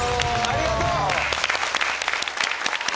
ありがとう！